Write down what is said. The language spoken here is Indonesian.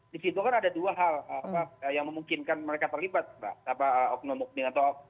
di situ kan ada dua hal yang memungkinkan mereka terlibat pak